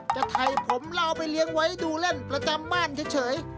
จะไถผมเหล้าไปเลี้ยงไว้ดูเล่นประจำบ้านเฉย